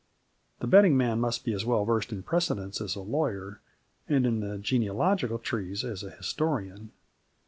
The betting man must be as well versed in precedents as a lawyer and in genealogical trees as a historian.